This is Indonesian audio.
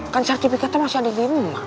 kan sertifikate masih ada